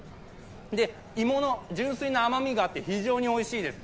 芋の純粋な甘みがあって非常においしいです。